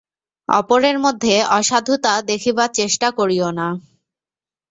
অপরের মধ্যে অসাধুতা দেখিবার চেষ্টা করিও না।